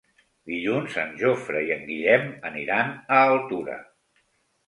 Dilluns en Jofre i en Guillem aniran a Altura.